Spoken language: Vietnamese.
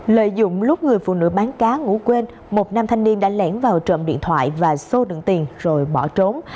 lợi dụng lúc người phụ nữ bán cá ngủ quên một nam thanh niên đã lẻn vào trộm điện thoại và xô đựng tiền rồi bỏ trốn